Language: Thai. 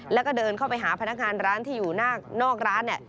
แล้วก็เดินเข้าไปหาพนักงานร้านที่อยู่นอกร้าน